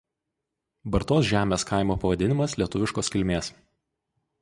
Bartos žemės kaimo pavadinimas lietuviškos kilmės.